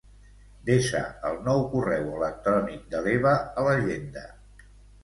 Desa el nou correu electrònic de l'Eva a l'agenda.